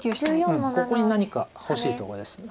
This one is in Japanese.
うんここに何か欲しいとこです。